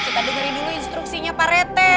kita dengerin dulu instruksinya pak rt